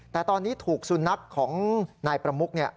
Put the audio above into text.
แต่ตอนนี้ถูกสุนัขของนายประมุก